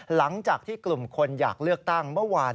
หลังจากที่กลุ่มคนอยากเลือกตั้ง